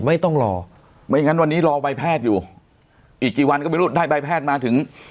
ไม่ต้องรอไม่งั้นวันนี้รอใบแพทย์อยู่อีกกี่วันก็ไม่รู้ได้ใบแพทย์มาถึง